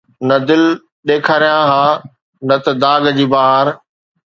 نه دل، ڏيکاريان ها نه ته داغ جي بهار